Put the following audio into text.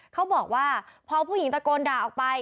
เขาบอกว่าพอผู้หญิงตะโกนด่าออกไป